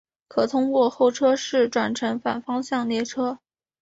可通过候车室转乘反方向列车。